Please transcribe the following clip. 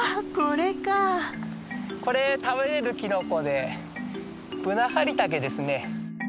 これ食べれるキノコでブナハリタケですね。